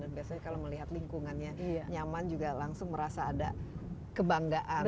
dan biasanya kalau melihat lingkungannya nyaman juga langsung merasa ada kebanggaan